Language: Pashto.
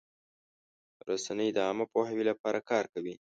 رسنۍ د عامه پوهاوي لپاره کار کوي.